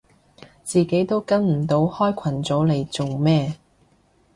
自己都跟唔到開群組嚟做咩